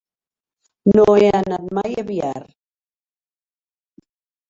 No he anat mai a Biar.